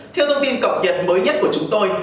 theo thông tin cập nhật mới nhất của chúng tôi